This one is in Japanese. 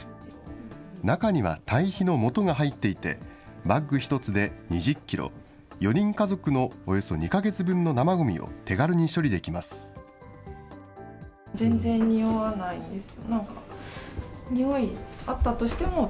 中には堆肥のもとが入っていて、バッグ１つで２０キロ、４人家族のおよそ２か月分の生ごみを手軽に処理できます。